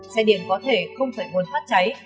xe điện có thể không phải muốn phát cháy